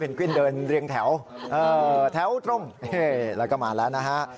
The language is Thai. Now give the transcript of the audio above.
เป็นกวิ่นเดินเรียงแถวแถวตรงแล้วก็มาแล้ว